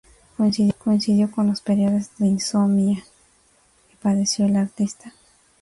Coincidió con los periodos de insomnia que padeció la artista.